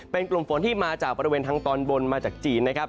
เป็นกลุ่มฝนที่มาจากบริเวณทางตอนบนมาจากจีนนะครับ